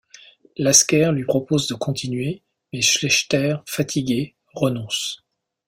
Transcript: Lasker lui propose de continuer, mais Schlechter, fatigué, renonce.